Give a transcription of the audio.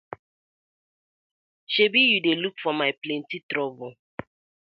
Sebi yu dey look for my plenty trouble.